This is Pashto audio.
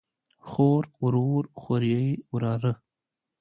خور، ورور، خوریئ ،وراره